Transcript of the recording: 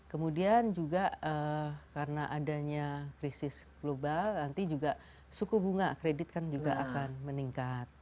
kemudian juga karena adanya krisis global nanti juga suku bunga kredit kan juga akan meningkat